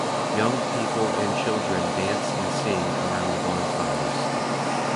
Young people and children dance and sing around the bonfires.